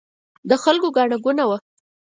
د خلکو ګڼه ګوڼه وه.